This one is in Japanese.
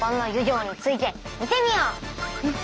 うん。